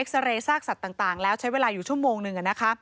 ซาเรย์ซากสัตว์ต่างแล้วใช้เวลาอยู่ชั่วโมงหนึ่ง